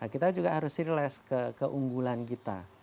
kita juga harus relase keunggulan kita